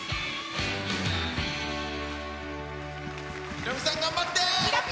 ヒロミさん、頑張って。